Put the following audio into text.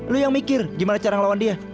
lu yang mikir gimana cara ngelawan dia